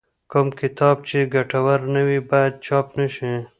کوم کتاب چې ګټور نه وي باید چاپ نه شي.